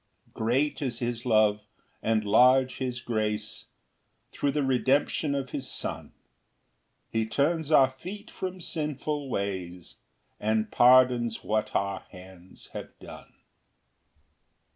5 Great is his love, and large his grace, Thro' the redemption of his Son: He turns our feet from sinful ways, And pardons what our hands have done.